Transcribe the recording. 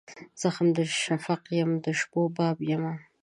زخم د شفق یم د شپو باب یمه